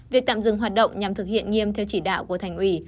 việc tạm dừng hoạt động nhằm thực hiện nghiêm theo chỉ đạo của thành ủy